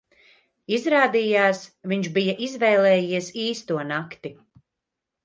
Izrādījās, viņš bija izvēlējies īsto nakti.